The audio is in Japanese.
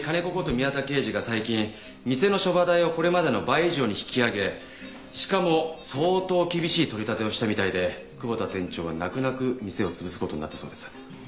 宮田刑事が最近店のショバ代をこれまでの倍以上に引き上げしかも相当厳しい取り立てをしたみたいで久保田店長は泣く泣く店を潰す事になったそうです。